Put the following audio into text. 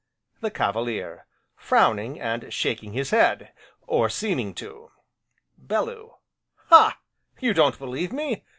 THE CAVALIER: (Frowning and shaking his head, or seeming to)!!! BELLEW: Ha! you don't believe me?